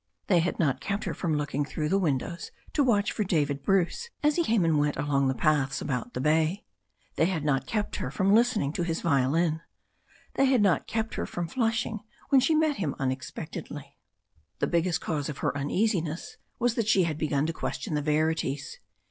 They had not kept her from looking through the windows to watch for David Bruce as he came and went along the paths about the bay. They had not kept her from listening to his violin. They had not kept her from flushing when she met him tmexpectedly. The biggest cause of her uneasiness was that she had begun to question the verities.